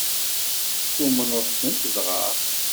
Tumneḍ-tent dɣa?